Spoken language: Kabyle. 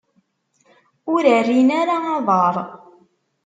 Ur rrin ara aḍar.